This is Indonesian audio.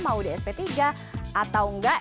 mau di sp tiga atau enggak